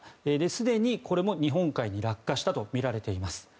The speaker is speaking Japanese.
すでにこれも日本海に落下したとみられています。